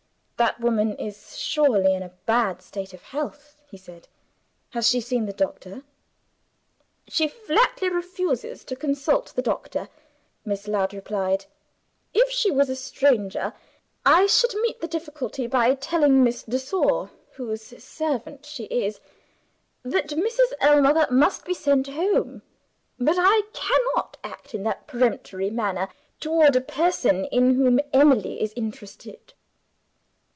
"That woman is surely in a bad state of health," he said. "Has she seen the doctor?" "She flatly refuses to consult the doctor," Miss Ladd replied. "If she was a stranger, I should meet the difficulty by telling Miss de Sor (whose servant she is) that Mrs. Ellmother must be sent home. But I cannot act in that peremptory manner toward a person in whom Emily is interested."